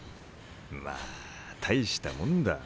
まあ大したもんだ。